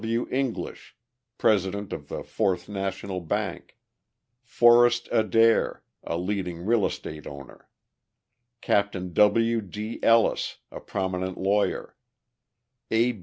W. English, president of the Fourth National Bank; Forrest Adair, a leading real estate owner; Captain W. D. Ellis, a prominent lawyer; A.